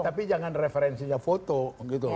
tetapi jangan referensinya foto gitu loh